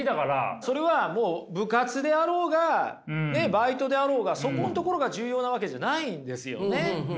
それは部活であろうがバイトであろうがそこのところが重要なわけじゃないんですよね。